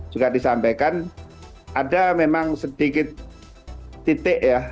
juga disampaikan ada memang sedikit titik ya